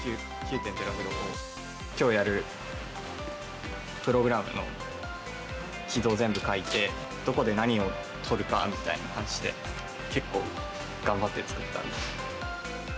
きょうやるプログラムの軌道を全部書いて、どこで何を撮るかみたいな感じで、結構、頑張って作った。